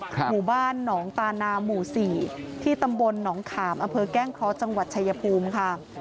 หมู่บ้านหนองตานาหมู่๔ที่ตำบลหนองขามอำเภอแก้งเคราะห์จังหวัดชายภูมิค่ะ